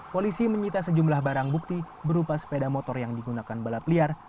polisi menyita sejumlah barang bukti berupa sepeda motor yang digunakan balap liar